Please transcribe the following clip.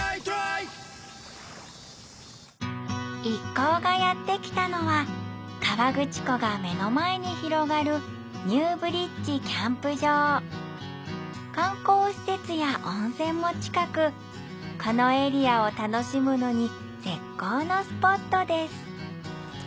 一行がやってきたのは河口湖が目の前に広がる「ニューブリッヂキャンプ場」観光施設や温泉も近くこのエリアを楽しむのに絶好のスポットです